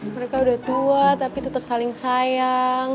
mereka udah tua tapi tetap saling sayang